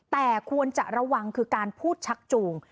แต่ควรจะระวังคือการพูดชักจูง